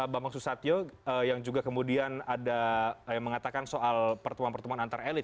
bambang susatyo yang juga kemudian ada yang mengatakan soal pertemuan pertemuan antar elit